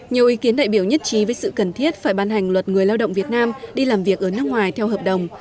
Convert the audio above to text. nhiều ý kiến đại biểu nhất trí với sự cần thiết phải ban hành luật người lao động việt nam đi làm việc ở nước ngoài theo hợp đồng